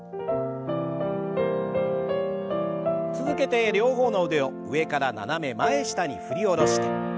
続けて両方の腕を上から斜め前下に振り下ろして。